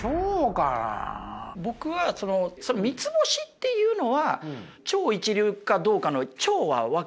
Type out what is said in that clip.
僕はその三つ星っていうのは超一流かどうかの「超」は分からないです。